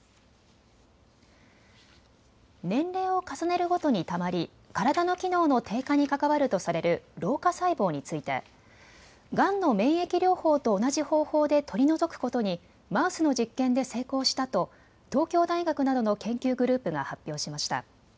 年齢を重ねるごとにたまり体の機能の低下に関わるとされる老化細胞についてがんの免疫療法と同じ方法で取り除くことにマウスの実験で成功したと東京大学などの研究グループが発表しました。